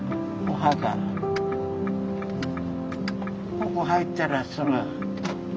ここ入ったらすぐ。